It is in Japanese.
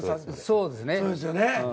そうですよね。